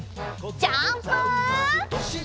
ジャンプ！